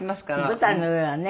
舞台の上はね。